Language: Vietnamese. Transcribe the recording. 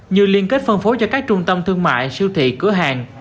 như liên kết phân phối cho các trung tâm thương mại siêu thị cửa hàng